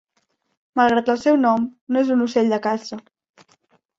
Malgrat el seu nom, no és un ocell de caça.